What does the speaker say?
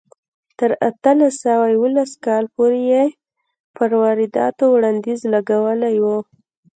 تر اتلس سوه یوولس کاله پورې یې پر وارداتو بندیز لګولی و.